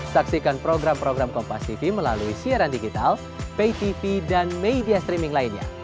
saksikan program program kompas tv melalui siaran digital pay tv dan media streaming lainnya